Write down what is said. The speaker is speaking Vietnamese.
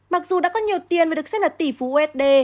mặc dù đã có nhiều tiền và được xem là tỷ phú usd